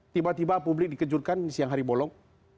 tiba tiba publik dikejurkan siang hari bolong